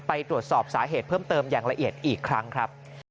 ไปตรวจสอบสาเหตุเพิ่มเติมอย่างละเอียดอีกครั้งครับ